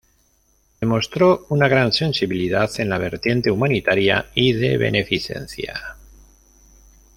Demostró una gran sensibilidad en la vertiente humanitaria y de beneficencia.